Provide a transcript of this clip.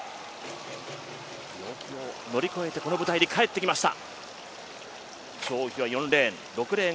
病気を乗り越えてこの舞台に帰ってきました。